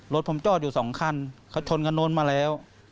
รถผมจอดอยู่๒ขั้นเขาชนกันนู้นมาแล้ว